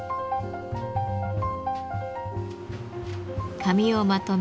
髪をまとめ